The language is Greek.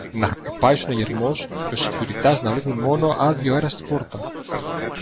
να χτυπάει ο συναγερμός και ο σεκιουριτάς να βλέπει μόνο άδειο αέρα στην πόρτα